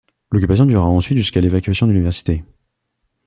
L'occupation durera ensuite jusqu'à l'évacuation de l'université.